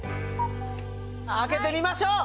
開けてみましょう！